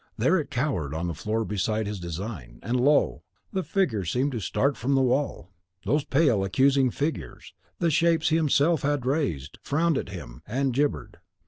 There it cowered on the floor beside his design; and lo! the figures seemed to start from the wall! Those pale accusing figures, the shapes he himself had raised, frowned at him, and gibbered.